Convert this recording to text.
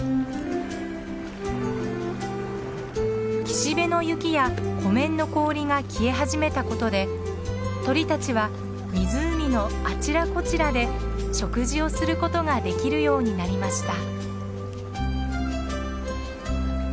岸辺の雪や湖面の氷が消え始めたことで鳥たちは湖のあちらこちらで食事をすることができるようになりました。